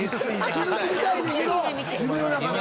続き見たいねんけど夢の中で。